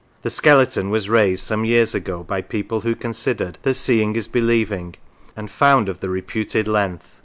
The skeleton was raised some years ago by people who considered that seeing is believing, and found of the reputed length.